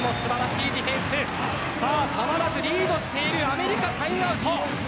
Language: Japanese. たまらずリードしているアメリカタイムアウト。